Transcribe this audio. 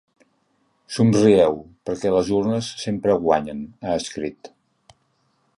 Somrieu, perquè les urnes sempre guanyen, ha escrit.